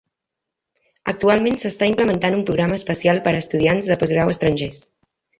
Actualment s'està implementant un programa especial per a estudiants de postgrau estrangers.